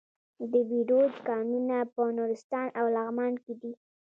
د بیروج کانونه په نورستان او لغمان کې دي.